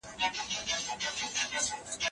آیا بشري قوانین تر الهي قوانینو غوره دي؟